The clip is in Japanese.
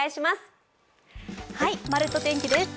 「まるっと！天気」です。